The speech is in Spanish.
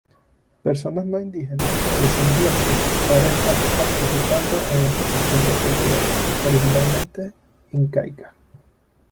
Personas no indígenas, descendientes, ahora están participando en esta costumbre cultural, originalmente Incaica.